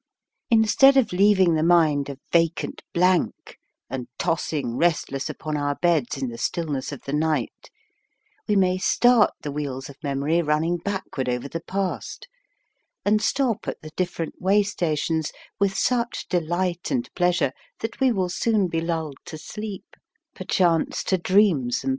Instead of leaving the mind a vacant blank and tossing restless upon our beds in the stillness of the night, we may start the wheels of memory running back ward over the past, and stop at the different way stations with such de light and pleasure that we will soon be lulled to sleep, perchance to dream AND MOTION.